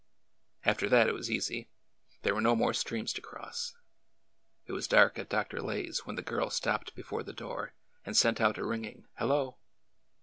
After that it was easy. There were no more streams to cross. It was dark at Dr. Lay's when the girl stopped be fore the door and sent out a ringing " Hello